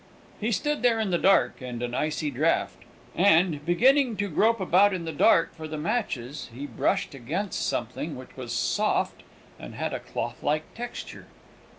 He stood there in the dark and an icy draught; and, beginning to grope about in the dark for the matches, he brushed against something which was soft and had a cloth like texture.